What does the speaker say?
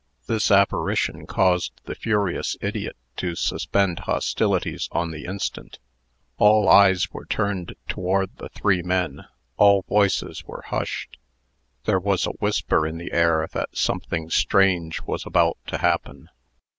This apparition caused the furious idiot to suspend hostilities on the instant. All eyes were turned toward the three men. All voices were hushed. There was a whisper in the air that something strange was about to happen.